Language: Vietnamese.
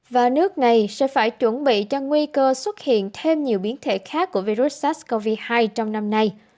và nước này sẽ phải chuẩn bị cho nguy cơ xuất hiện thêm nhiều biến thể khác của virus sars cov hai trong năm nay